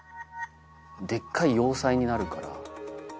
デッカい要塞になるから。